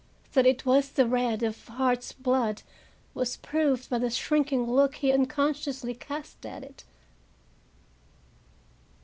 That it was the red of heart's blood was proved by the shrinking look he unconsciously cast at it.